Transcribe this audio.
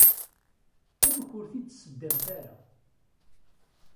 Amek ur t-id-tseddamt ara?